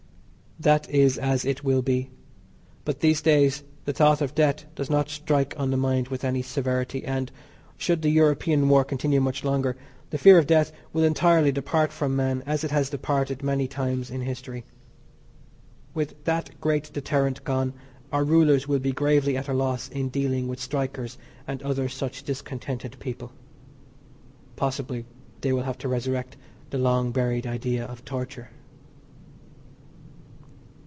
That is as it will be. But these days the thought of death does not strike on the mind with any severity, and, should the European war continue much longer, the fear of death will entirely depart from man, as it has departed many times in history. With that great deterrent gone our rulers will be gravely at a loss in dealing with strikers and other such discontented people. Possibly they will have to resurrect the long buried idea of torture.